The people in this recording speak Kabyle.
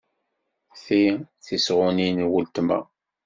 Ti d tisɣunin n weltma.